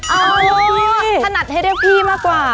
เอาถนัดให้เรียกพี่มากกว่า